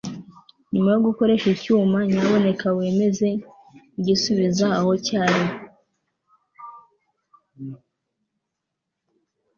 nyuma yo gukoresha icyuma, nyamuneka wemeze kugisubiza aho cyari